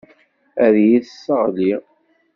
Ad iyi-tesseɣli.